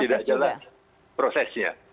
tidak jelas prosesnya